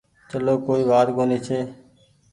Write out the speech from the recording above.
چلو ڪوئي وآت ڪونيٚ ڇي۔